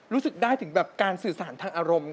รู้สึกได้ถึงแบบการสื่อสารทางอารมณ์